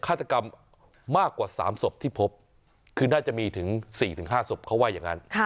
ฆาตกรรมมากกว่า๓ศพที่พบคือน่าจะมีถึง๔๕ศพเขาว่าอย่างนั้น